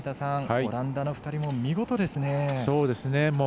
オランダの２人も見事ですね。